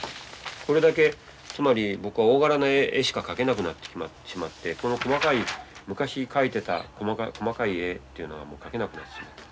これだけつまり僕は大柄な絵しか描けなくなってしまってこの細かい昔描いてた細かい絵っていうのはもう描けなくなってしまった。